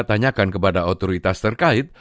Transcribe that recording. tanyakan kepada otoritas terkait